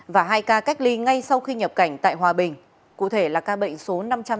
và hai ca cách ly ngay sau khi nhập cảnh tại hòa bình cụ thể là ca bệnh số năm trăm tám mươi bảy năm trăm tám mươi tám